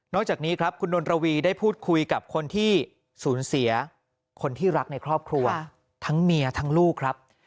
จากนี้ครับคุณนนระวีได้พูดคุยกับคนที่สูญเสียคนที่รักในครอบครัวทั้งเมียทั้งลูกครับ